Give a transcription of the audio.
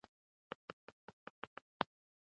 راځئ چې خپله وجیبه ادا کړو.